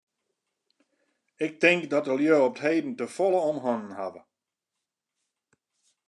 Ik tink dat de lju op 't heden te folle om hannen hawwe.